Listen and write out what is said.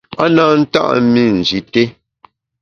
A na nta’ mi Nji té.